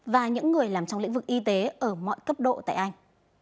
và những người làm trong lĩnh vực y tế ở mọi cấp độ tại anh